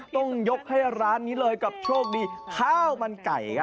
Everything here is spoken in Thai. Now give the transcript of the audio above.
ต้องยกให้ร้านนี้เลยกับโชคดีข้าวมันไก่ครับ